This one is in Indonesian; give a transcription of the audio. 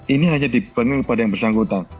ini hanya diberikan kepada yang bersangkutan